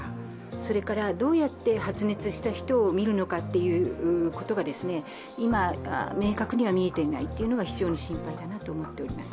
それからどうやって発熱した人を診るのかということが、今、明確には見えていないのが非常に心配だと思っています。